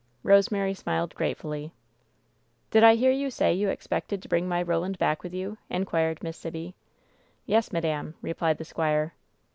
Rosemary smiled gratefully. "Did I hear you say you expected to bring my Ro land back with you ?" inquired Miss Sibby. "Yes, madam," replied the squire.